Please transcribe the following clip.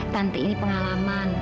tante ini pengalaman